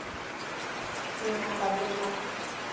کښېنه خبري مه کوه!